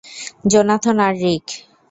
Jonathan আর রিক!